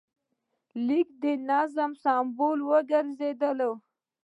لیکل د نظم سمبول وګرځېدل.